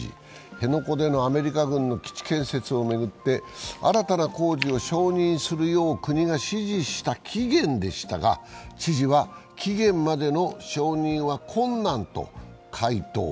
辺野古でのアメリカ軍の基地建設を巡って新たな工事を承認するよう国が指示した期限でしたが知事は期限までの承認は困難と回答。